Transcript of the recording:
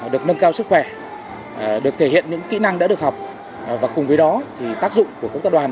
được nâng cao sức khỏe được thể hiện những kỹ năng đã được học và cùng với đó thì tác dụng của công tác đoàn